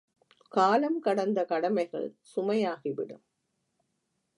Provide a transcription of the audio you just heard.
காலங்கடந்த கடமைகள் சுமையாகி விடும்.